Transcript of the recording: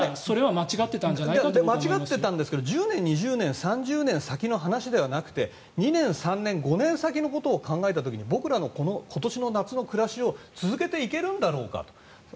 間違っていたんじゃなくて１０年２０年３０年先の話ではなくて２年３年５年先の話を考えた時に僕らの今年の夏の暮らしを続けていけるんだろうかと。